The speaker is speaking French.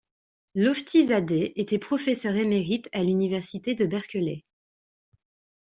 Lofti Zadeh était professeur émérite à l'université de Berkeley.